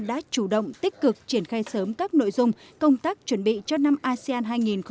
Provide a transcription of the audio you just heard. đã chủ động tích cực triển khai sớm các nội dung công tác chuẩn bị cho năm asean hai nghìn hai mươi